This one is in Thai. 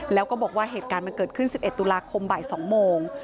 แล้วก็บอกว่าเหตุการณ์มันเกิดขึ้น๑๑ตุลาคมบ่าย๒โมง